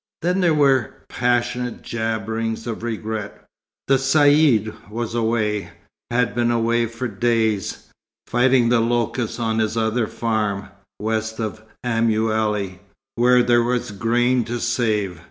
Then there were passionate jabberings of regret. The Caïd, was away, had been away for days, fighting the locusts on his other farm, west of Aumale, where there was grain to save.